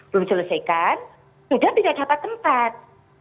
belum selesaikan sudah tidak dapat tempat